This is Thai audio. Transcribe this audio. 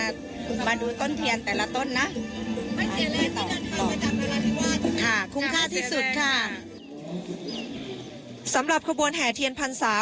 ค่ะประทับใจมากค่ะคุ้มคาดที่สุดค่ะสำหรับขบวนแห่เทียนพันศา